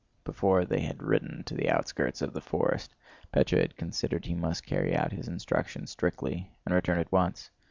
Before they had ridden to the outskirts of the forest Pétya had considered he must carry out his instructions strictly and return at once.